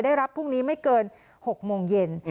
ได้รับพรุ่งนี้ไม่เกิน๖โมงเย็น